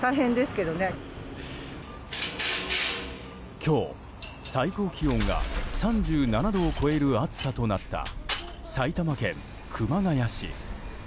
今日、最高気温が３７度を超える暑さとなった埼玉県熊谷市。